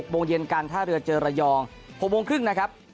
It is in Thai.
โมงเย็นการท่าเรือเจอระยอง๖โมงครึ่งนะครับ